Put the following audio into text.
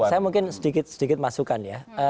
saya mungkin sedikit sedikit masukan ya